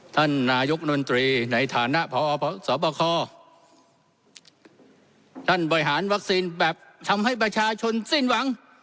ท่านนายกนตรีในฐานะพอสบคท่านบริหารวัคซีนแบบทำให้ประชาชนสิ้นหวัง